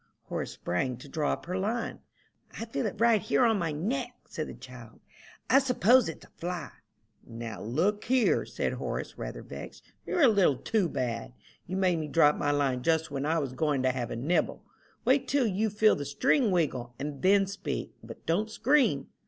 Horace sprang to draw up her line. "I feel it right here on my neck," said the child; "I s'pose it's a fly." "Now, look here," said Horace, rather vexed, "you're a little too bad. You made me drop my line just when I was going to have a nibble. Wait till you feel the string wiggle, and then speak, but don't scream."